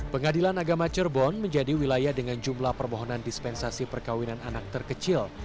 pengadilan agama cirebon menjadi wilayah dengan jumlah permohonan dispensasi perkawinan anak terkecil